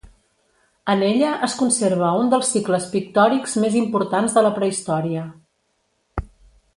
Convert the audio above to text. En ella es conserva un dels cicles pictòrics més importants de la Prehistòria.